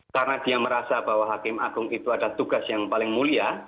karena dia merasa bahwa hakim agung itu ada tugas yang paling mulia